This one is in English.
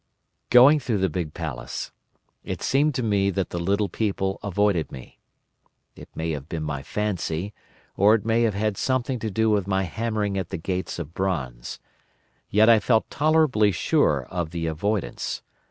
"Going through the big palace, it seemed to me that the little people avoided me. It may have been my fancy, or it may have had something to do with my hammering at the gates of bronze. Yet I felt tolerably sure of the avoidance.